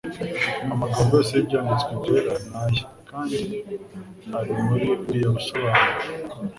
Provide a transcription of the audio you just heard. Amagambo yose y'Ibyariditswe byera ni aye kandi ari muri buriya busobanuro.